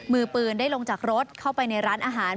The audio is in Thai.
มือปืนได้ลงจากรถเข้าไปในร้านอาหาร